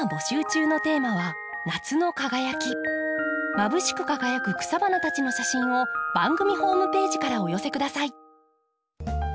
まぶしく輝く草花たちの写真を番組ホームページからお寄せ下さい。